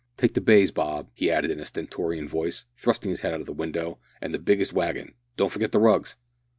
"Take the bays, Bob," he added in a stentorian voice, thrusting his head out of the window, "and the biggest wagon. Don't forget the rugs!"